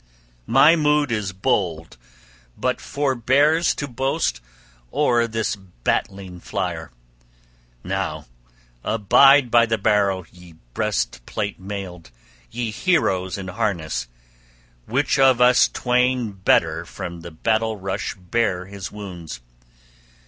My mood is bold but forbears to boast o'er this battling flyer. Now abide by the barrow, ye breastplate mailed, ye heroes in harness, which of us twain better from battle rush bear his wounds.